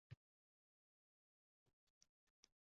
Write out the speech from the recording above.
Bizga esa bu dardlarning davosi sifatida tushunishni emas